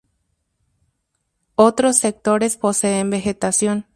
Otros sectores poseen vegetación.